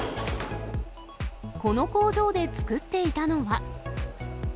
この工場で作っていたのは。